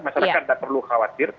masyarakat tidak perlu khawatir